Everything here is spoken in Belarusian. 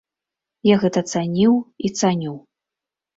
Я гэта цаніў і цаню!